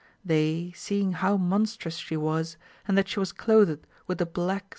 They seeing how monstrous she was, and that she was clothed with the black 168